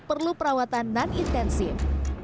perlu perawatan non intensif